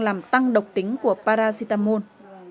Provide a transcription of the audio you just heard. làm tăng độc tính của paracetamol